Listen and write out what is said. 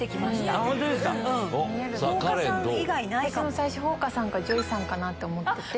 私も最初ほうかさんかＪＯＹさんかなって思ってて。